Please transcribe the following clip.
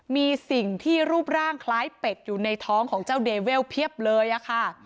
มีสิ่งที่รูปร่างคล้ายเป็ดอยู่ในท้องของเจ้าเดเวลเพียบเลยค่ะ